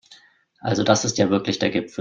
Also das ist ja wirklich der Gipfel!